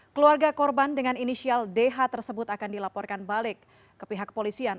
keluarga korban dengan inisial dh tersebut akan dilaporkan balik ke pihak kepolisian